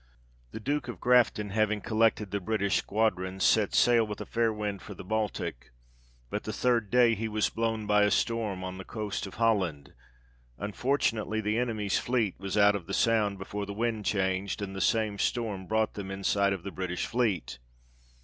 The Duke of Grafton having collected the British squadrons set sail with a fair wind for the Baltic, but the third day he was blown by a storm on the coast of Holland ; unfor tunately the enemy's fleet was out of the Sound before the wind changed, and the same storm brought them in sight of the British fleet.